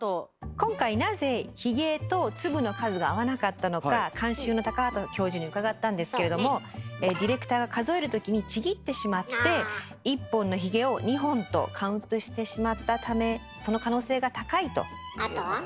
今回なぜヒゲと粒の数が合わなかったのか監修の畑教授に伺ったんですけれどもディレクターが数えるときにちぎってしまって１本のヒゲを２本とカウントしてしまったためその可能性が高いと。